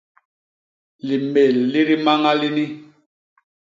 Limél li dimaña lini.